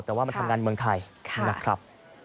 แต่ว่ามันทำงานเมืองไทยนะครับ